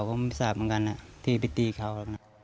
ก็ไม่สาปเหมือนกันนะทีไปตีเขา